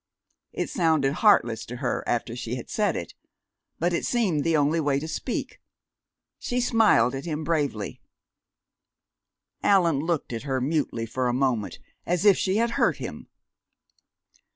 It sounded heartless to her after she had said it, but it seemed the only way to speak. She smiled at him bravely. Allan looked at her mutely for a moment, as if she had hurt him.